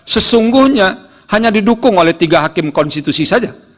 sesungguhnya hanya didukung oleh tiga hakim konstitusi saja